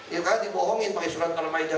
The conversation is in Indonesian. ya kan dibohongin pakai surat al ma'idah